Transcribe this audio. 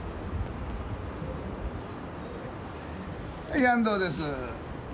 はい安藤です。